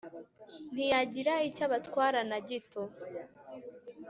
ntiyagira icyo abatwara na gito